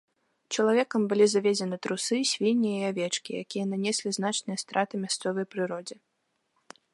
Чалавекам былі завезены трусы, свінні і авечкі, якія нанеслі значныя страты мясцовай прыродзе.